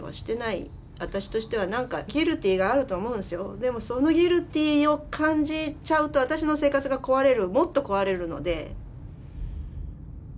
でもそのＧＵＩＬＴＹを感じちゃうと私の生活が壊れるもっと壊れるので。